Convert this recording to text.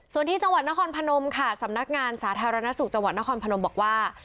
ส่วนที่จังหวัดนครพนมค่ะสำนักงานสาธารณสุขจังหวัดนครพนมบอกว่า